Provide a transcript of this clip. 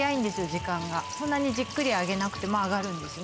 時間がそんなにじっくり揚げなくても揚がるんですね